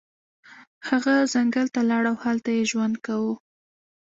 هغه ځنګل ته لاړ او هلته یې ژوند کاوه.